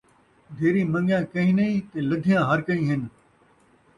دھیریں من٘گیاں کہیں نئیں تے لدھیاں ہر کئیں ہن